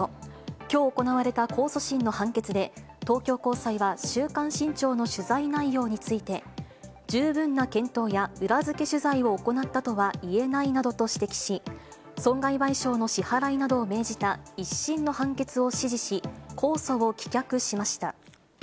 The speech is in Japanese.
きょう行われた控訴審の判決で、東京高裁は週刊新潮の取材内容について、十分な検討や裏付け取材を行ったとはいえないなどと指摘し、損害賠償の支払いなどを命じた１審の判決を支持し、控訴を棄却しました。